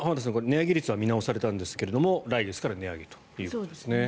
値上げ率は見直されたんですが来月から値上げということですね。